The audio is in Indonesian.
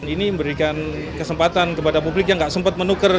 ini memberikan kesempatan kepada publik yang nggak sempat menukar